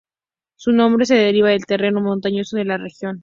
Su nombre se deriva del terreno montañoso de la región.